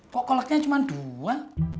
kok koloknya cuma dua